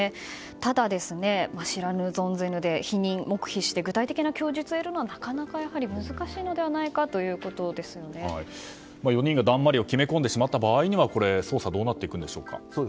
ただ、知らぬ存ぜぬで否認、黙秘して具体的な供述を得るのはなかなか難しいのではないか４人がだんまりを決め込んでしまった場合にはこれ、捜査はどうなっていくんでしょうか。